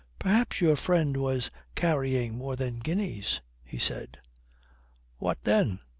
"Perhaps your friend was carrying more than guineas," he said. "What then?